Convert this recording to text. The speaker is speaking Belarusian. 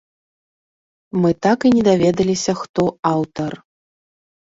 Мы так і не даведаліся, хто аўтар.